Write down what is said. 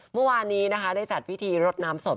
เมื่อวานนี้นะคะได้จัดพิธีรดน้ำศพ